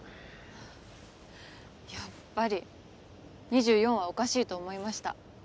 やっぱり２４はおかしいと思いました